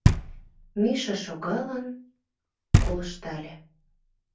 Миша, шогалын, колыштале.